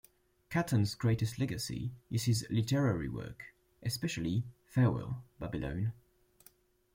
Kattan's greatest legacy is his literary work, especially Farewell, Babylon.